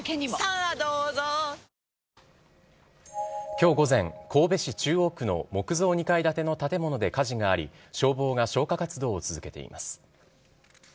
きょう午前、神戸市中央区の木造２階建ての建物で火事があり、消防が消火活動を続けています。